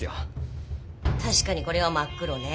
確かにこれは真っ黒ね。